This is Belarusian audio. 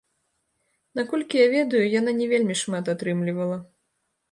Наколькі я ведаю, яна не вельмі шмат атрымлівала.